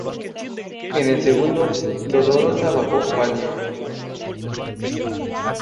En el segundo, Dolorosa Bajo Palio.